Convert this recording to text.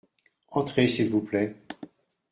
Entrez s’il vous plait.